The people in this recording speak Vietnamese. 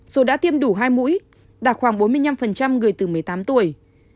dù đã tiêm đủ hai mũi đạt khoảng bốn mươi năm người từ một mươi tám tuổi